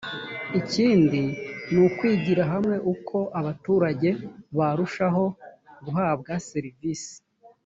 ikindi ni ukwigira hamwe uko abaturage barushaho guhabwa serivisi